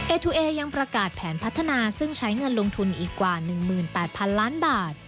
ทูเอยังประกาศแผนพัฒนาซึ่งใช้เงินลงทุนอีกกว่า๑๘๐๐๐ล้านบาท